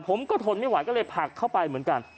ทนไม่ไหวก็เลยผลักเข้าไปเหมือนกัน